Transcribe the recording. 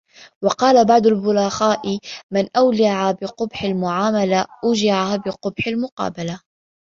وَقَالَ بَعْضُ الْبُلَغَاءِ مَنْ أُولِعَ بِقُبْحِ الْمُعَامَلَةِ أُوجِعَ بِقُبْحِ الْمُقَابَلَةِ